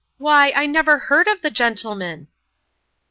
" Why, I never heard of the gentleman